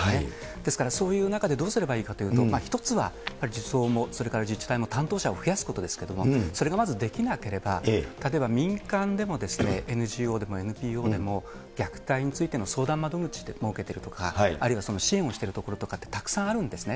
ですから、そういう中でどうすればいいかというと、一つは、児相も、それから自治体も担当者を増やすことですけれども、それがまずできなければ、例えば民間でもＮＧＯでもＮＰＯでも、虐待についての相談窓口って設けてる所とか、あるいは支援しているところとかってたくさんあるんですね。